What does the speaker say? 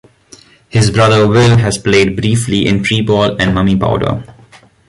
His brother Ville has played briefly in Treeball and Mummypowder.